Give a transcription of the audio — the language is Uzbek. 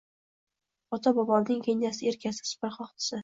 Otam bobomning kenjasi – erkasi, supra qoqdisi.